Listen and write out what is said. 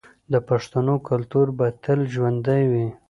د پښتنو کلتور به تل ژوندی وي.